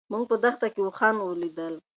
موږ په دښته کې اوښان ولیدل.